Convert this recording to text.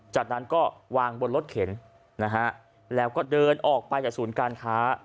จากนั้นก็วางบนรถเข็นนะฮะแล้วก็เดินออกไปจากศูนย์การค้า